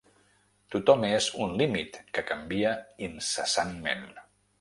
Tothom és un límit que canvia incessantment.